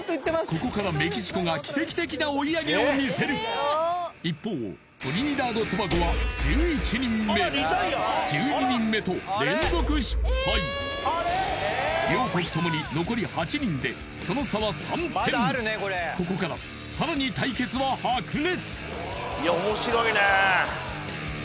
ここからメキシコが奇跡的な追い上げを見せる一方トリニダード・トバゴは１１人目１２人目と連続失敗両国共に残り８人でその差は３点ここからさらに対決は白熱